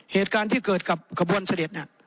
เหตุการณ์ที่เกิดกับขบวนเสด็จ